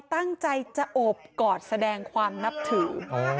ตั้งใจจะโอบกอดแสดงความนับถือ